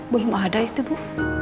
belum ada itu bu